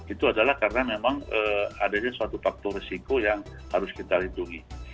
itu adalah karena memang adanya suatu faktor risiko yang harus kita lindungi